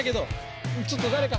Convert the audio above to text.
ちょっと誰か。